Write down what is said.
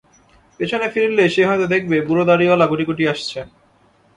পেছেনে ফিরলেই সে হয়তো দেখবে বুড়ো দাড়িঅলা গুটিগুটি আসছে।